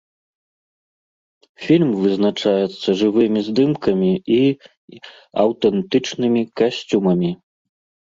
Фільм вызначаецца жывымі здымкамі і і аўтэнтычнымі касцюмамі.